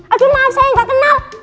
aduh maaf sayang gak kenal